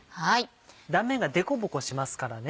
断面がでこぼこしますからね。